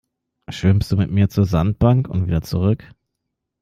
Schwimmst du mit mir bis zur Sandbank und wieder zurück?